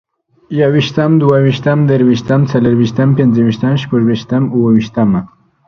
يوویشتم، دوويشتم، دريوشتم، څلورويشتم، پنځوويشتم، شپږويشتم، اوويشتمه